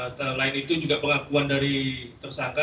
selain itu juga pengakuan dari tersangka